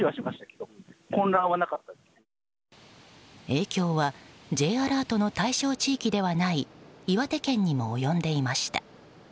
影響はＪアラートの対象地域ではない岩手県にも及んでいました。